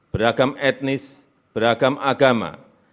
beragam etnis beragam agama